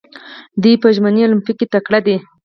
دوی په ژمني المپیک کې تکړه دي.